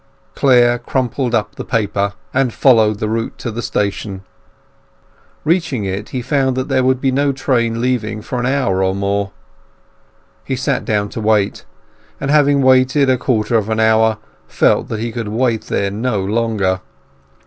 Clare crumpled up the paper and followed the route to the station; reaching it, he found that there would be no train leaving for an hour and more. He sat down to wait, and having waited a quarter of an hour felt that he could wait there no longer.